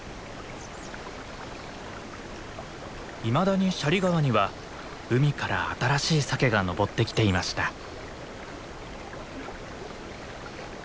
いまだに斜里川には海から新しいサケが上ってきていました。